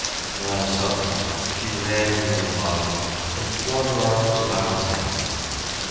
Now suddenly she ran to young Lockman and flung her arms about his neck.